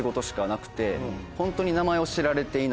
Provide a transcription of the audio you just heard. ホントに。